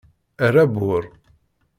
Err abbur!